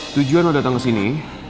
tujuan lo datang kesini